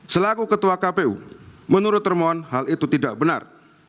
selaku ketua kpu menurut hermon hal itu tidak benar